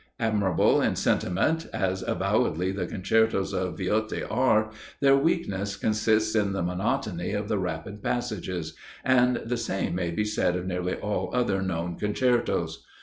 Admirable in sentiment, as avowedly the concertos of Viotti are, their weakness consists in the monotony of the rapid passages and the same may be said of nearly all other known concertos.